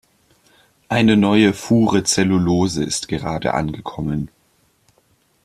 Eine neue Fuhre Zellulose ist gerade angekommen.